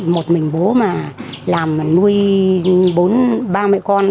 một mình bố mà làm nuôi bốn ba mẹ con